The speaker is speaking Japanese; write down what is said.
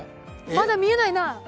まだ見えないな。